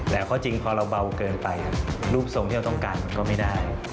แต่ข้อจริงพอเราเบาเกินไปรูปทรงที่เราต้องการมันก็ไม่ได้